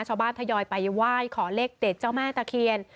ทยอยไปไหว้ขอเลขเด็ดเจ้าแม่ตะเคียน